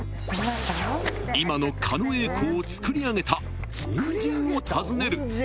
［今の狩野英孝を作り上げた恩人を訪ねる］